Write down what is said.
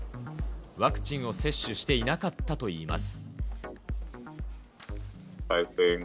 ワクチンを接種していなかったといいます。